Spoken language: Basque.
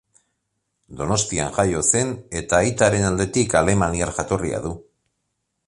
Donostian jaio zen, eta aitaren aldetik alemaniar jatorria du.